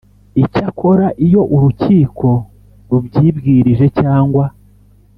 Icyakora iyo urukiko rubyibwirije cyangwa